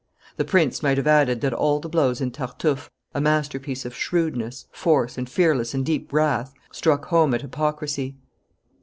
The prince might have added that all the blows in Tartuffe, a masterpiece of shrewdness, force, and fearless and deep wrath, struck home at hypocrisy.